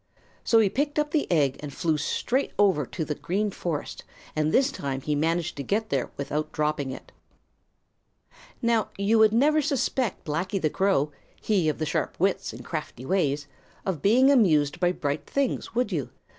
So he picked up the egg and flew straight over to the Green Forest, and this time he managed to get there without dropping it. Now you would never suspect Blacky the Crow, he of the sharp wits and crafty ways, of being amused by bright things, would you?